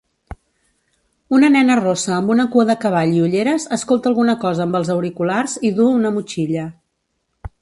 Una nena rossa amb una cua de cavall i ulleres escolta alguna cosa amb els auriculars i duu una motxilla.